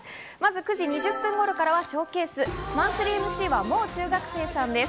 ９時２０分頃からはＳＨＯＷＣＡＳＥ、マンスリーＭＣはもう中学生さんです。